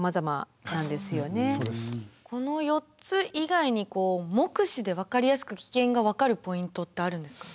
この４つ以外に目視で分かりやすく危険が分かるポイントってあるんですか？